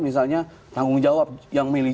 misalnya tanggung jawab yang milih